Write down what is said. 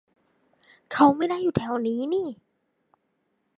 เขาไม่ได้อยู่แถวนี้นี่